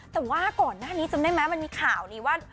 แต่ว่าก่อนหน้านี้จำได้ไหมมันมีข่าวดีว่า